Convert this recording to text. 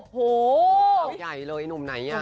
หนุ่มใหญ่เลยหนุ่มไหนอ่ะ